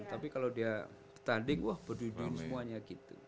tapi kalau dia pertanding wah berduin duin semuanya gitu